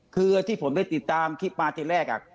คือที่ผมได้ติดตามคลิปมาทีแรก